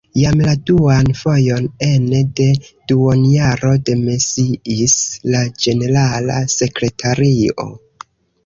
Jam la duan fojon ene de duonjaro demisiis la ĝenerala sekretario.